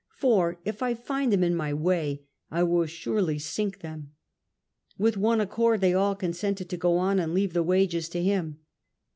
For if I find them in my way I will surely sink them." With one accord they all consented to go on and leave the wages to him.